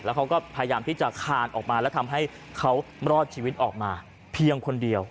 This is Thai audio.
เขาก็พยายามที่จะคานออกมาแล้วทำให้เขารอดชีวิตออกมาเพียงคนเดียว